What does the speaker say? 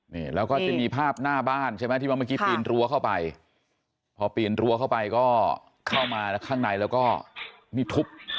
นี่แล้วก็จะมีภาพหน้าบ้านใช่ไหมที่ว่าเมื่อกี้ปีนรั้วเข้าไปพอปีนรั้วเข้าไปก็เข้ามาข้างในแล้วก็นี่ทุบ